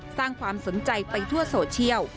สร้างความสนใจไปทั่วโซเชียล